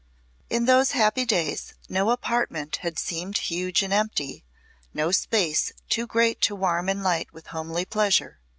In those happy days no apartment had seemed huge and empty, no space too great to warm and light with homely pleasure.